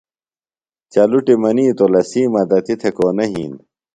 چلُٹیۡ منیتو لسی مدتی تھےۡ کونہ یھین۔